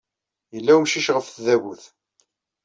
Yella wemcic ɣef tdabut.